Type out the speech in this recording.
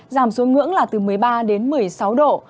giảm xuống ngưỡng là từ một mươi ba đến một mươi sáu độ